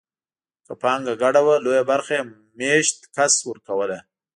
که پانګه ګډه وه لویه برخه یې مېشت کس ورکوله.